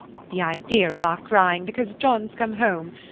The idea of our crying because John's come home.